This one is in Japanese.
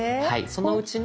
そのうちの。